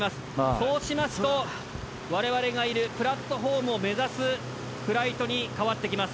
そうしますと我々がいるプラットホームを目指すフライトに変わってきます。